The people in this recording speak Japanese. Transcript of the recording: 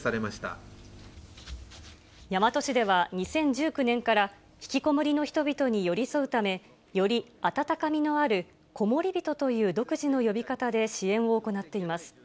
大和市では、２０１９年からひきこもりの人々に寄り添うため、より温かみのある、こもりびとという独自の呼び方で支援を行っています。